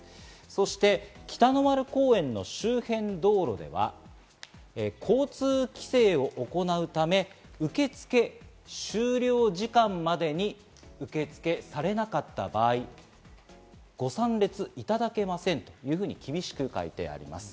そして、北の丸公園の周辺道路では交通規制を行うため、受付終了時間までに受付されなかった場合、ご参列いただけませんというふうに厳しく書いてあります。